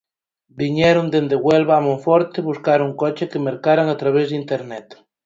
Viñeron dende Huelva a Monforte buscar un coche que mercaran a través de Internet.